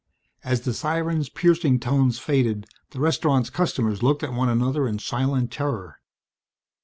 As the siren's piercing tones faded the restaurant's customers looked at one another in silent terror.